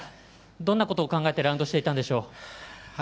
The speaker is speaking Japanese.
どんなことを考えてラウンドしていたんでしょう。